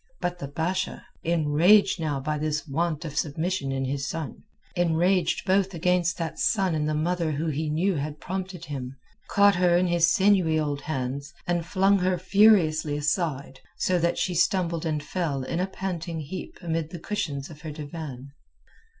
But the Basha, enraged now by this want of submission in his son, enraged both against that son and the mother who he knew had prompted him, caught her in his sinewy old hands, and flung her furiously aside, so that she stumbled and fell in a panting heap amid the cushions of her divan.